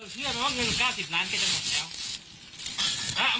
เชื่อไหมว่าเงิน๙๐ล้านแกจะหมดแล้ว